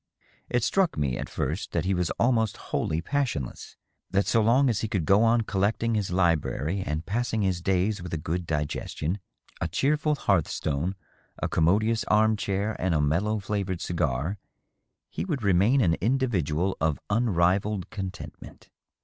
It struck me, at first, that he was almost wholly passionless — ^that so long as he could go on collecting his library and passing his days with a good digestion, a cheerful hearth stone, a commodious arm chair and a mellow flavored cigar, he would remain an individual of unrivalled contentment.